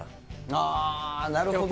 あー、なるほど。